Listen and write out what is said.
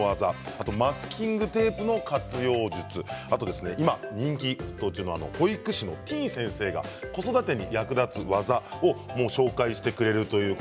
あとマスキングテープの活用術そして人気保育士のてぃ先生が子育てにも役立つ技を教えてくれます。